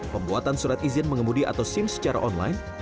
pembuatan surat izin mengemudi atau sim secara online